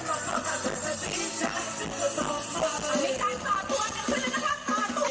แต่พวกมันใจมาร่วมพวกเต็มที่ค่ะ